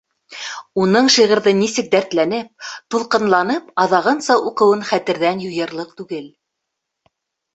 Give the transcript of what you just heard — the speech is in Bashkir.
Уның шиғырҙы нисек дәртләнеп, тулҡынланып аҙағынаса уҡыуын хәтерҙән юйырлыҡ түгел.